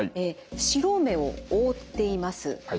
白目を覆っています結膜